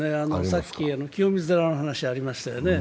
さっき清水寺の話ありましたよね。